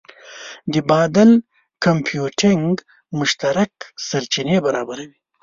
د بادل کمپیوټینګ مشترک سرچینې برابروي.